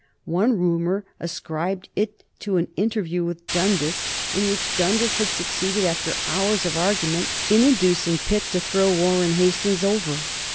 One rumor ascribed it to an interview with Dundas, in which Dundas had succeeded, after hours of argument, in inducing Pitt to throw Warren Hastings over.